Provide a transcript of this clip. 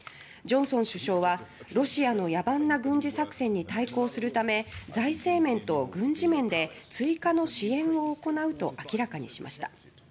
ジョンソン首相は「ロシアの野蛮な軍事作戦に対抗するため財政面と軍事面で追加の支援を行う」と明らかにしました。